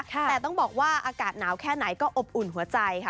แต่ต้องบอกว่าอากาศหนาวแค่ไหนก็อบอุ่นหัวใจค่ะ